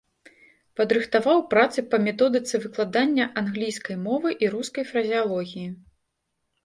Падрыхтаваў працы па методыцы выкладання англійскай мовы і рускай фразеалогіі.